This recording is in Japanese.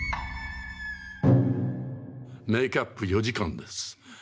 メーキャップ４時間です。